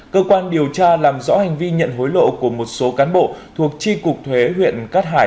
cơ quan điều tra làm rõ hành vi nhận hối lộ của một số cán bộ thuộc tri cục thuế huyện cát hải